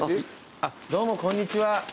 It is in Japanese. あっどうもこんにちは。